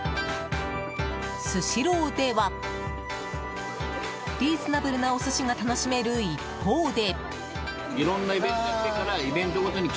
スシローではリーズナブルなお寿司が楽しめる一方で。